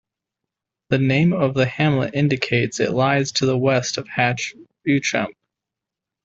The name of the hamlet indicates it lies to the west of Hatch Beauchamp.